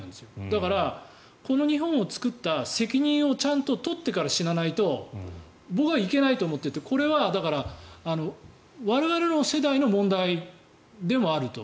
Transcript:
だから、この日本を作った責任をちゃんと取ってから死なないと僕はいけないと思っていてこれは我々の世代の問題でもあると。